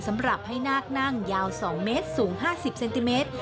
สำหรับให้นาคนั่งยาว๒เมตรสูง๕๐เซนติเมตร